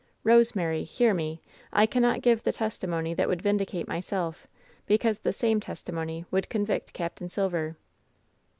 "Rosemary, hear me! I cannot give the testimony that would vindicate myself, because the same testimony would convict Capt. Silver."